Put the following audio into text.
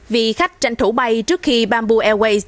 vì khách tranh thủ bay trước khi bamboo airways